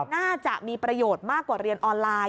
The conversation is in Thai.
น่าจะมีประโยชน์มากกว่าเรียนออนไลน์